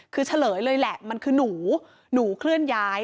คือเฉลยเลยแหละมันคือหนูหนูเคลื่อนย้าย